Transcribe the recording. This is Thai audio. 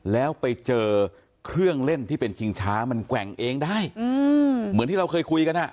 แล้วไปเจอเครื่องเล่นที่เป็นชิงช้ามันแกว่งเองได้อืมเหมือนที่เราเคยคุยกันอ่ะ